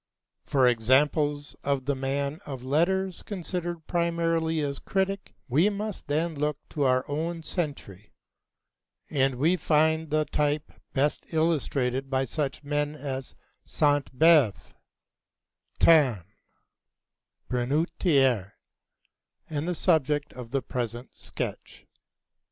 For examples of the man of letters considered primarily as critic, we must then look to our own century, and we find the type best illustrated by such men as Sainte Beuve, Taine, Brunetière, and the subject of the present sketch.